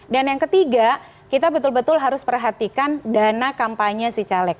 dan yang ketiga kita betul betul harus perhatikan dana kampanye si caleg